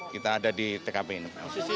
kita ada di tkp ini